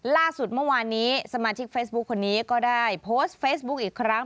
ล่าสุดเมื่อวานนี้สมาชิกเฟซบุ๊คคนนี้ก็ได้โพสต์เฟซบุ๊คอีกครั้ง